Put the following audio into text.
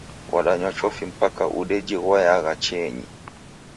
Wadanywa chofi paka udejighoyagha chienyi.